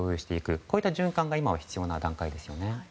こういった循環が今、必要な段階ですよね。